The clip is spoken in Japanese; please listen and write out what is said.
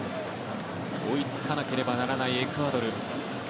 追いつかなければならないエクアドル。